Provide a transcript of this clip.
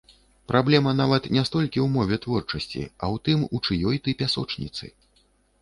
Праблема нават не столькі ў мове творчасці, а ў тым, у чыёй ты пясочніцы.